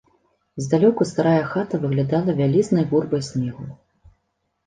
Здалёку старая хата выглядала вялізнай гурбай снегу.